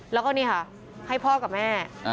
แล้วก็นี่ค่ะให้พ่อกับแม่